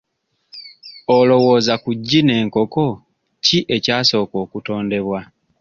Olowooza ku ggi n'enkoko ki ekyasooka okutondebwa?